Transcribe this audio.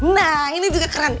nah ini juga keren